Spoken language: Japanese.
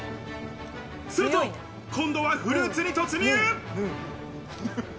すると今度はフルーツに突入。